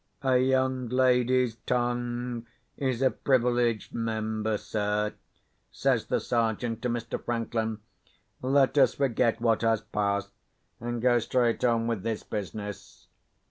"A young lady's tongue is a privileged member, sir," says the Sergeant to Mr. Franklin. "Let us forget what has passed, and go straight on with this business.